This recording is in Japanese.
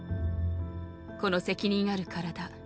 この責任ある体